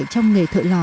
trong nghề thợ lò